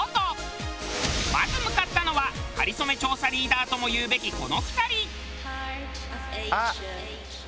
まず向かったのはかりそめ調査リーダーとも言うべきこの２人！